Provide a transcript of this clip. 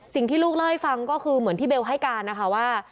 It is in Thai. สิ่งที่ลูกเล่าให้ฟังก็คือเหมือนที่เบลให้การนะคะว่า